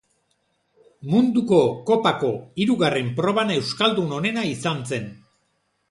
Munduko kopako hirugarren proban euskaldun onena izan zen.